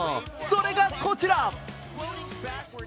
それがこちら！